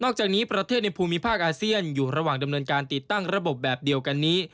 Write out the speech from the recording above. จากนี้ประเทศในภูมิภาคอาเซียนอยู่ระหว่างดำเนินการติดตั้งระบบแบบเดียวกันนี้